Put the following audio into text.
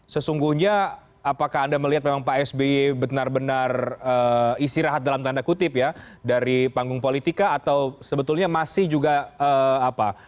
sesungguhnya apakah anda melihat memang pak sby benar benar istirahat dalam tanda kutip ya dari panggung politika atau sebetulnya masih juga apa